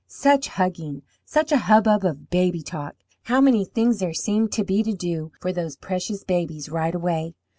Such hugging, such a hubbub of baby talk! How many things there seemed to be to do for those precious babies right away!